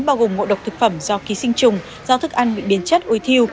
bao gồm ngộ độc thực phẩm do ký sinh trùng do thức ăn bị biến chất ôi thiêu